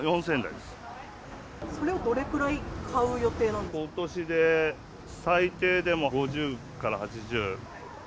それをどれくらい買う予定なことしで最低でも５０から８０。